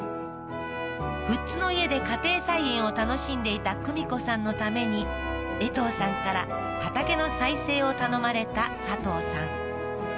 富津の家で家庭菜園を楽しんでいた久美子さんのためにえとうさんから畑の再生を頼まれた佐藤さん